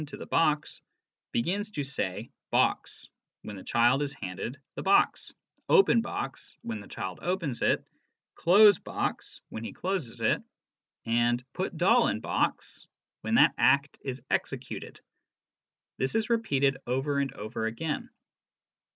to the box, begins to say ' box ' when the child is handed the box, ' open box ' when the child opens it, ' close box ' when he closes it, and 'put doll in box' when that act is executed. This is repeated over and over again.